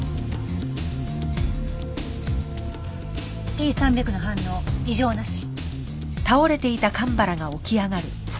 Ｐ３００の反応異常なし。